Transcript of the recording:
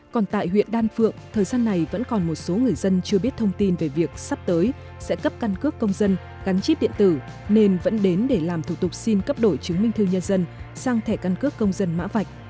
còn tại huyện đan phượng thời gian này vẫn còn một số người dân chưa biết thông tin về việc sắp tới sẽ cấp căn cước công dân gắn chip điện tử nên vẫn đến để làm thủ tục xin cấp đổi chứng minh thư nhân dân sang thẻ căn cước công dân mã vạch